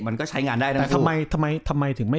มันก็ใช้งานได้